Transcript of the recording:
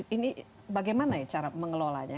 ini bagaimana ya cara mengelolanya